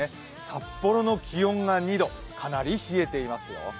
札幌の気温が２度、かなり冷えていますよ。